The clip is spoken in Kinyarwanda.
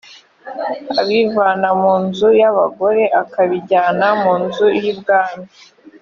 abivana mu nzu y ‘abagore akabijyana mu nzu y’ umwami